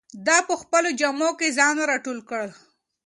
ده په خپلو جامو کې ځان راټول کړ.